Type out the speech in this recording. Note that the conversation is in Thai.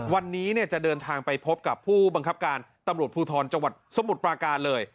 วันนี้จะเดินทางไปพบกับผู้บังคับการตำรวจภูทรจังหวัดสมุทรปราการเลย